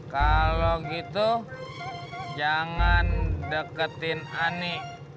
kalau gitu jangan deketin ani